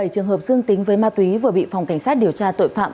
một mươi bảy trường hợp dương tính với ma túy vừa bị phòng cảnh sát điều tra tội phạm